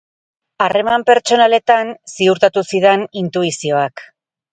Harreman pertsonaletan, ziurtatu zidan, intuizioak.